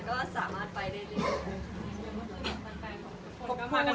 ก็สามารถไปได้เรื่องนี้